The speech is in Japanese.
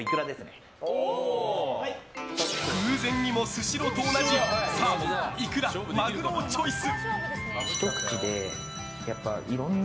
偶然にもスシローと同じサーモン、イクラ、マグロをチョイス。